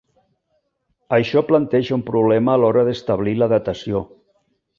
Això planteja un problema a l'hora d'establir la datació.